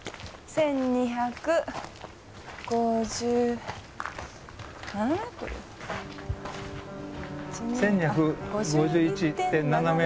１，２５１．７ｍ。